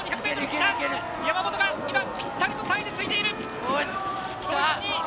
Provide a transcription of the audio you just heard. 山本がぴったりと３位でついている！